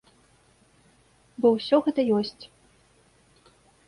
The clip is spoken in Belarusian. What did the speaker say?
Бо ўсё гэта ёсць.